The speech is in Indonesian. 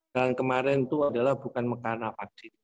dan kemarin itu adalah bukan karena vaksin